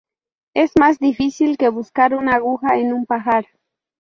Es más difícil que buscar una aguja en un pajar